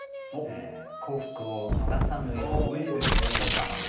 「幸福を逃さぬやうに寒卵」。